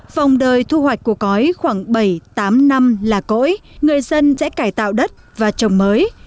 vòng đời thu hoạch của cõi khoảng bảy tám năm là cõi người dân sẽ cải tạo đất và trồng mới